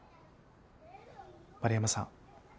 丸山さん